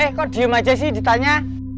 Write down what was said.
eh kok diem aja sih ditanya